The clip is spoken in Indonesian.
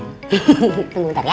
tunggu bentar ya